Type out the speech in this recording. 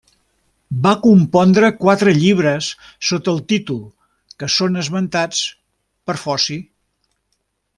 Va compondre quatre llibres sota el títol que són esmentats per Foci.